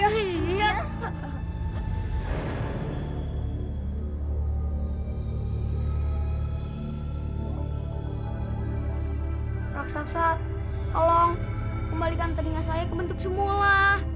raksasa tolong kembalikan telinga saya ke bentuk semula